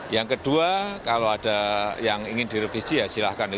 yang kedua kalau ada yang ingin direvisi ya silahkan